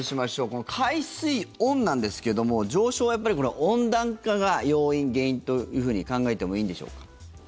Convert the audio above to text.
この海水温なんですけども上昇は温暖化が要因、原因というふうに考えてもいいんでしょうか。